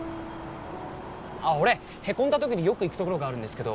あっ俺へこんだ時によく行く所があるんですけど。